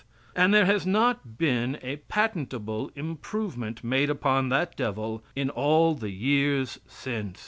And there has not been a patentable improvement made upon that devil in all the years since.